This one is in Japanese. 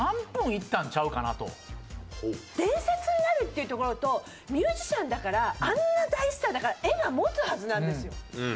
伝説になるっていうところとミュージシャンだからあんな大スターだから画が持つはずなんですよ